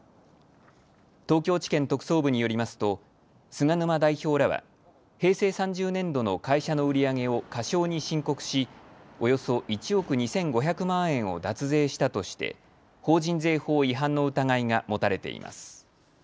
東京地検特捜部によりますと菅沼代表らは平成３０年度の会社の売り上げを過少に申告しおよそ１億２５００万円を脱税したとして法人税法違反の疑いが持たれています。